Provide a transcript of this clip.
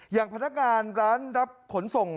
อย่างพนักงานร้านรับขนส่ง